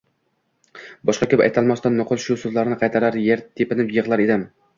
Boshqa gap aytolmasdan nuqul shu so‘zlarni qaytarar, yer tepinib yig‘lar edim.